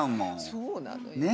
そうなのよ。ね！